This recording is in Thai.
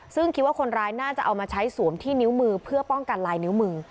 ซึ่งคิดว่าคนร้ายน่าจะเอามาใช้สวมที่นิ้วมือเพื่อป้องกันลายนิ้วมือ